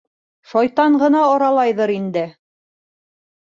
Шайтан ғына аралайҙыр инде.